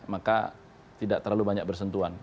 maka tidak terlalu banyak bersentuhan